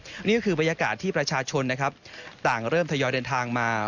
วันที่นี้คือบรรยากาศที่ประชาชนต่างเริ่มทะยอยเดินทางมา